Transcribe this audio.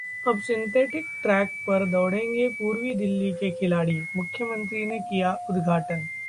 अब synthetic track पर दौड़ेंगे पूर्वी दिल्ली के खिलाड़ी, मुख्यमंत्री ने किया उद्घाटन